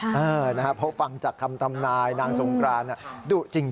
เพราะฟังจากคำทำนายนางสงกรานดุจริง